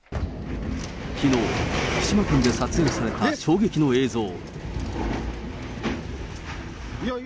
きのう、福島県で撮影された衝撃の映像。